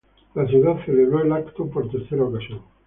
La ciudad celebró el evento por tercera ocasión.